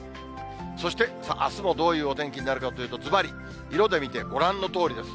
そしてあすもどういうお天気になるかというと、ずばり、色で見てご覧のとおりです。